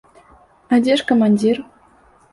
А дзе ж камандзір?